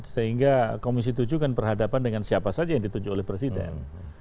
sehingga komisi tujuh kan berhadapan dengan siapa saja yang dituju oleh presiden